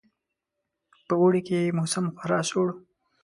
په اوړي کې یې موسم خورا سوړ وو.